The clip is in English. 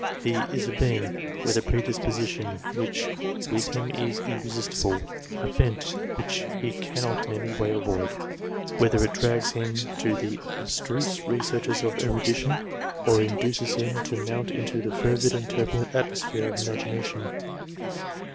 He is a being with a predisposition which with him is irresistible a bent which he cannot in any way avoid ; whether it drags him to the abstruse re searches of erudition, or induces him to mount into the fervid and turbulent atmosphere of imagination."